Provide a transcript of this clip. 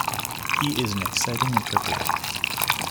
He is an exciting interpreter.